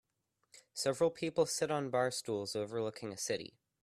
Several people sit on bar stools overlooking a city.